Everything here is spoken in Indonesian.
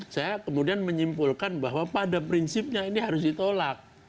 saya kemudian menyimpulkan bahwa pada prinsipnya ini harus ditolak